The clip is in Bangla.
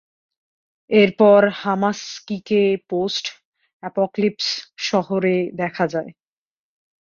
এরপর হামাসাকিকে পোস্ট-অ্যাপোক্যালিপস শহরে দেখা যায়।